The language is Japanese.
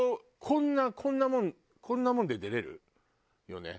こんなこんなもんこんなもんで出れるよね？